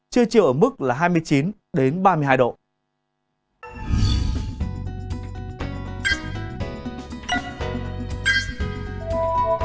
chưa chiều ở mức hai mươi chín ba mươi hai độ